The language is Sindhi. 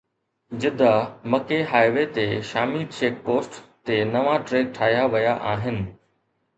جده-مڪي هاءِ وي تي شامي چيڪ پوسٽ تي نوان ٽريڪ ٺاهيا ويا آهن